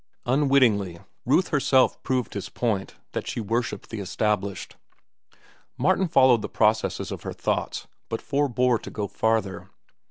Unwittingly, Ruth herself proved his point that she worshipped the established. Martin followed the processes of her thoughts, but forbore to go farther.